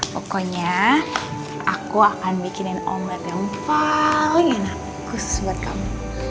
pokoknya aku akan bikinin omlet yang paling enak khusus buat kamu